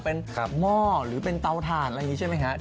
เป็นหม้อหรือเป็นเตาถ่านอะไรอย่างนี้ใช่ไหมครับ